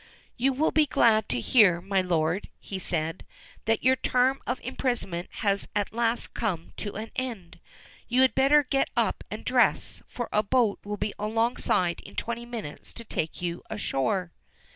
"You will be glad to hear, my lord," he said, "that your term of imprisonment has at last come to an end. You had better get up and dress, for a boat will be alongside in twenty minutes to take you ashore."